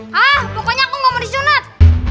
hah pokoknya aku enggak mau disunat